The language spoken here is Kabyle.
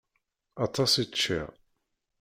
Aṭas i ččiɣ.